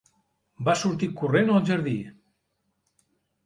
Va sortir corrent al jardí.